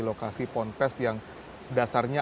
lokasi ponpes yang dasarnya